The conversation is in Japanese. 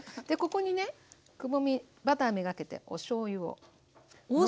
でここにねくぼみバター目がけておしょうゆを。